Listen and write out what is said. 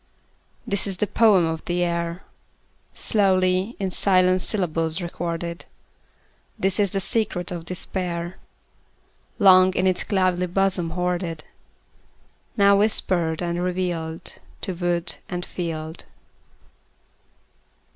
This is the poem of the air, Slowly in silent syllables recorded; This is the secret of despair, Long in its cloudy bosom hoarded, Now whispered and revealed To wood and field.